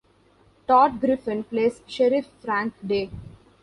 Tod Griffin plays Sheriff Frank Day.